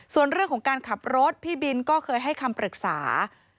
ส่วนเรื่องของการขับรถพี่บินก็เคยให้คำปรึกษา